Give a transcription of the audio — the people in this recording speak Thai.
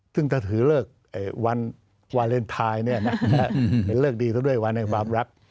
ซึ่งถือเลิกวันวาเลนไทน์เลิกดีเท่าด้วยวันในความรับ